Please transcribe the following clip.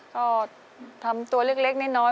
ก็ทำตัวเล็กน้อย